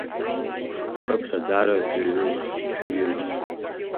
Рхыԥхьаӡара жәаҩылахь, шәҩылахь…